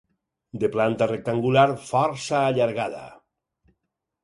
De planta rectangular, força allargada.